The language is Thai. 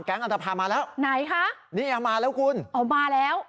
อันตภามาแล้วไหนคะเนี่ยมาแล้วคุณอ๋อมาแล้ว